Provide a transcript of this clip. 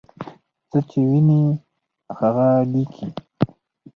څه چې ویني هغه لیکي.